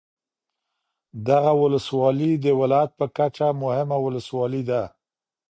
دغه ولسوالي د ولایت په کچه مهمه ولسوالي ده.